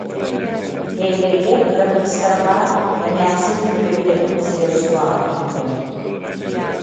Бэйэлэригэр кыра кыыстара баар, эмээхсин күтүөттэрин сирэр сураҕа иһиллэр